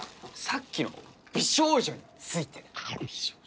さっきの美少女について美少女？